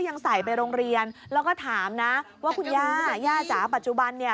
ยังใส่ไปโรงเรียนแล้วก็ถามนะว่าคุณย่าย่าจ๋าปัจจุบันเนี่ย